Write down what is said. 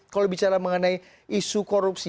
kalau bicara mengenai isu korupsi